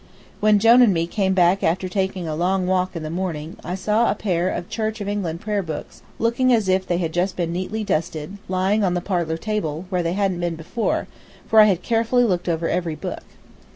When Jone and me came back after taking a long walk that morning I saw a pair of Church of England prayer books, looking as if they had just been neatly dusted, lying on the parlor table, where they hadn't been before, for I had carefully looked over every book.